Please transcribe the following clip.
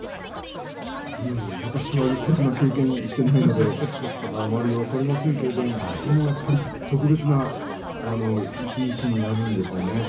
私は横綱を経験していないのであまり分かりませんけれどもでもやっぱり特別な一日になるんでしょうね。